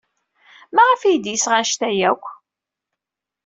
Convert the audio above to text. Maɣef ay d-yesɣa anect-a akk?